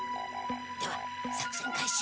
では作戦開始。